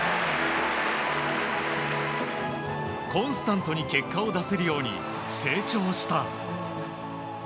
コンスタントに結果を出せるように成長した。